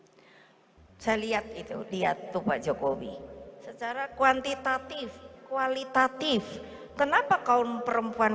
hai saya lihat itu dia tuhan jokowi secara kuantitatif kualitatif kenapa kaum perempuan